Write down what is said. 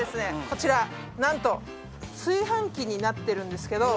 こちら何と炊飯器になってるんですけど。